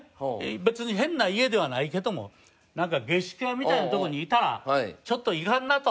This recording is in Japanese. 別に変な家ではないけどもなんか下宿屋みたいなとこにいたらちょっといかんなと。